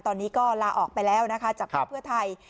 ตอนนี้ก็ลาออกไปแล้วนะคะจากภักดิ์เพื่อไทย